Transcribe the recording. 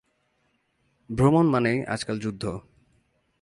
- ভ্রমণ মানেই আজকাল যুদ্ধ।